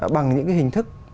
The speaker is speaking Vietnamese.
bằng những cái hình thức